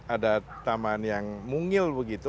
ada taman yang mungil begitu